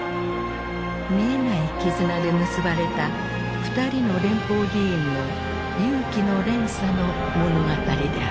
見えない絆で結ばれた２人の連邦議員の勇気の連鎖の物語である。